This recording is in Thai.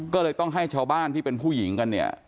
ก็เลยต้องให้ชาวบ้านที่เป็นผู้หญิงกันเนี่ย